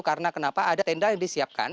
karena kenapa ada tenda yang disiapkan